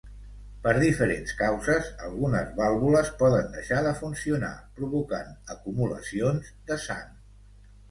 Per diferents causes, algunes vàlvules poden deixar de funcionar, provocant acumulacions de sang.